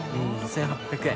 １８００円。